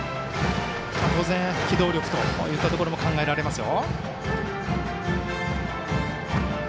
当然機動力といったところも考えられますよ。